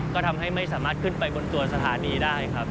ก็ทำให้ไม่สามารถขึ้นไปบนตัวสถานีได้ครับ